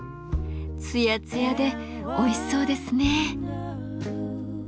つやつやでおいしそうですね。